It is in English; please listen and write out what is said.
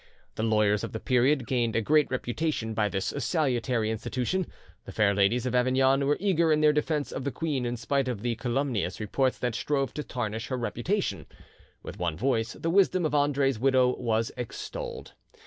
The lawyers of the period gained a great reputation by this salutary institution; the fair ladies of Avignon were eager in their defence of the queen in spite of the calumnious reports that strove to tarnish her reputation: with one voice the wisdom of Andre's widow was extolled.